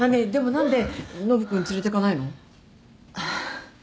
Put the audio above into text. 何でノブ君連れてかないの？あっ。